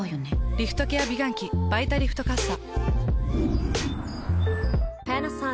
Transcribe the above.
リフトケア美顔器「バイタリフトかっさ」。